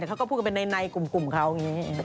แต่เขาก็พูดกันเป็นในกลุ่มเขาอย่างนี้